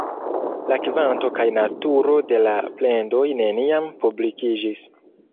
La kvanto kaj naturo de la plendoj neniam publikiĝis.